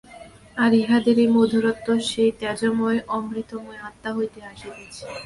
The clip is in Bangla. আর ইহাদের এই মধুরত্ব সেই তেজোময় অমৃতময় আত্মা হইতে আসিতেছে।